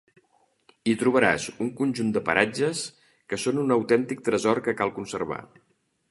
Hi trobaràs un conjunt de paratges que són un autèntic tresor que cal conservar.